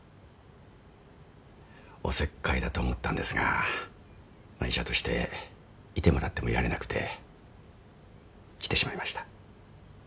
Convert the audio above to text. おせっかいだと思ったんですが医者として居ても立ってもいられなくて来てしまいました。